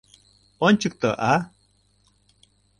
— Ончыкто, а?